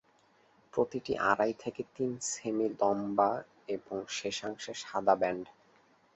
প্রতিটি আড়াই থেকে তিন সেমি লম্বা এবং শেষাংশে সাদা ব্যান্ড।